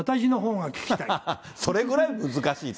それぐらい難しいと。